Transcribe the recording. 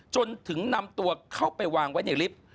จนถึงนำตัวเข้าไปวางไว้ในลิฟต์